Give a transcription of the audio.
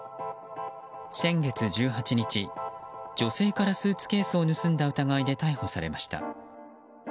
先月１８日、女性からスーツケースを盗んだ疑いで逮捕されました。